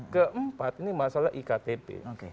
keempat ini masalah iktp